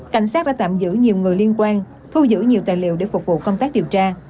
cảnh sát đã tạm giữ nhiều người liên quan thu giữ nhiều tài liệu để phục vụ công tác điều tra